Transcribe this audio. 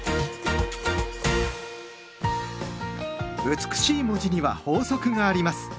美しい文字には法則があります。